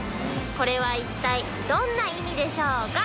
これは一体どんな意味でしょうか？